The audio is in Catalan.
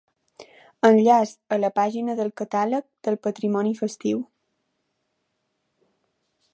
Enllaç a la pàgina del Catàleg del Patrimoni Festiu.